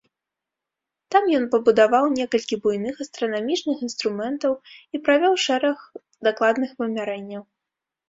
Там ён пабудаваў некалькі буйных астранамічных інструментаў і правёў шэраг дакладных вымярэнняў.